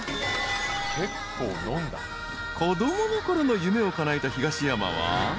［子供のころの夢をかなえた東山は］